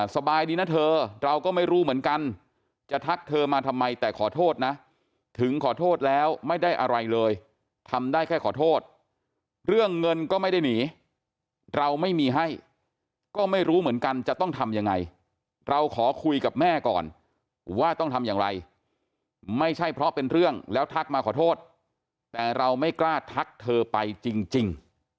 สบายดีนะเธอเราก็ไม่รู้เหมือนกันจะทักเธอมาทำไมแต่ขอโทษนะถึงขอโทษแล้วไม่ได้อะไรเลยทำได้แค่ขอโทษเรื่องเงินก็ไม่ได้หนีเราไม่มีให้ก็ไม่รู้เหมือนกันจะต้องทำยังไงเราขอคุยกับแม่ก่อนว่าต้องทำอย่างไรไม่ใช่เพราะเป็นเรื่องแล้วทักมาขอโทษแต่เราไม่กล้าทักเธอไปจริง